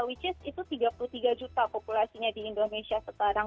which is itu tiga puluh tiga juta populasinya di indonesia sekarang